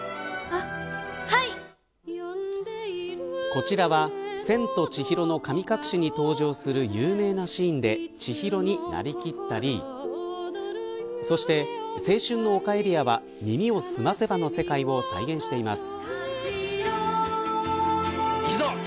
こちらは千と千尋の神隠しに登場する有名なシーンで千尋になりきったりそして、青春の丘エリアは耳をすませばの世界を再現しています。